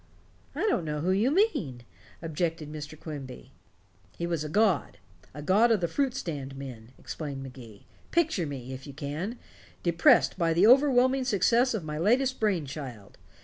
"I don't know who you mean," objected Mr. Quimby. "He was a god the god of the fruit stand men," explained Magee. "Picture me, if you can, depressed by the overwhelming success of my latest brain child.